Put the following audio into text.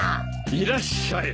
いらっしゃい。